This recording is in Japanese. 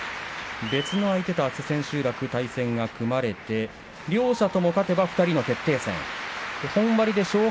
別の相手と、あす千秋楽対戦が組まれて、両者とも勝てば２人の決定戦。